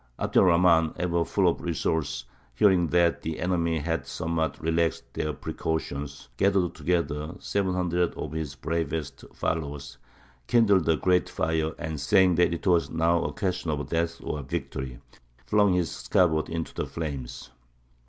Abd er Rahmān, ever full of resource, hearing that the enemy had somewhat relaxed their precautions, gathered together seven hundred of his bravest followers, kindled a great fire, and, saying that it was now a question of death or victory, flung his scabbard into the flames.